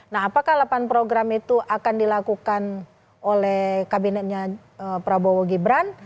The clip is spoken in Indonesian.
nah apakah delapan program itu akan dilakukan oleh kabinetnya prabowo gibran